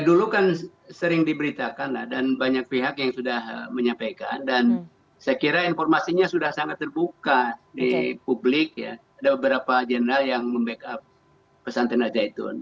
dulu kan sering diberitakan dan banyak pihak yang sudah menyampaikan dan saya kira informasinya sudah sangat terbuka di publik ya ada beberapa general yang membackup pesantren al zaitun